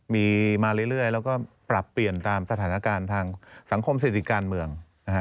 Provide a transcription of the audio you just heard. มีมาเรื่อยแล้วก็ปรับเปลี่ยนตามสถานการณ์ทางสังคมเศรษฐกิจการเมืองนะฮะ